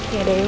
ya deh ibu